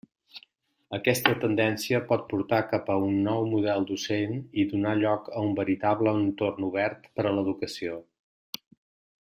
Aquesta tendència pot portar cap a un nou model docent, i donar lloc a un veritable entorn obert per a l'educació.